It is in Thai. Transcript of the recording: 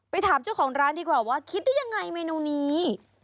ถามเจ้าของร้านดีกว่าว่าคิดได้ยังไงเมนูนี้